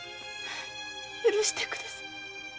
許してください。